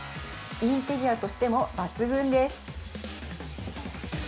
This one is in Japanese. インテリアとしても抜群です。